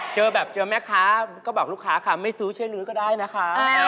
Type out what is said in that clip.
เจอแบบเจอแม่ค้าก็บอกลูกค้าค่ะไม่ซื้อลื้อก็ได้นะคะ